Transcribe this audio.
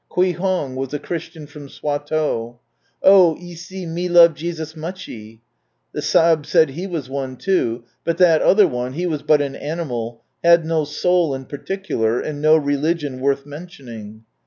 Kui Hong was a Christian from Swatow. " Oh, yesee, me love Jesus muchy." The S.ihib said he was one too ; but " that other one, he was btit an animal, had no soul in particular, and no religion worth mentioning."